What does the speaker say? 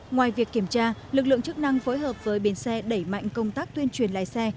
ngoài việc kiểm tra lực lượng chức năng phối hợp với bến xe đẩy mạnh công tác tuyên truyền lái xe